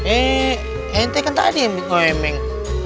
eh ente kan tadi yang ngemeng